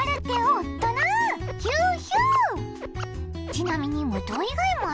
ちなみに。